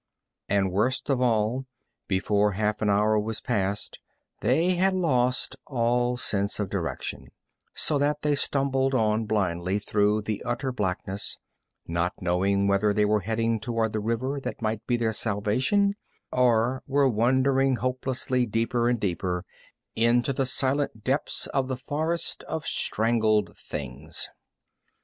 And worst of all, before half an hour was past they had lost all sense of direction, so that they stumbled on blindly through the utter blackness, not knowing whether they were headed toward the river that might be their salvation or were wandering hopelessly deeper and deeper into the silent depths of the forest of strangled things.